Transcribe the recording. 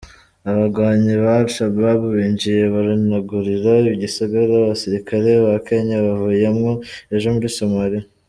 Abagwanyi ba al-Shabab binjiye baranigarurira igisagara abasirikare ba Kenya bavuyemwo ejo muri Somalia.